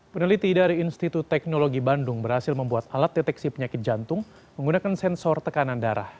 peneliti dari institut teknologi bandung berhasil membuat alat deteksi penyakit jantung menggunakan sensor tekanan darah